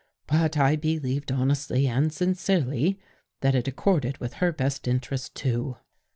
But I believed honestly and sincerely that it ac corded with her best interests too."